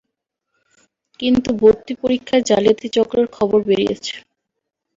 কিন্তু ভর্তি পরীক্ষায় জালিয়াতি চক্রের খবর বেরিয়েছে।